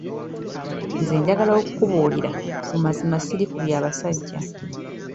Nze njagala okukubuulira, mu mazima srli ku bya basajja.